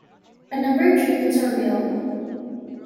A number of treatments are available.